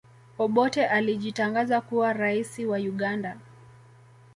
obote alijitangaza kuwa raisi wa uganda